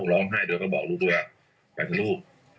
ร้องไห้ด้วยก็บอกลูกด้วยไปทั้งลูก